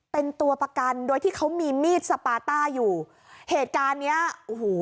เป็นตัวประกันโดยที่เขามีมีดสปาต้าอยู่เหตุการณ์เนี้ยโอ้โห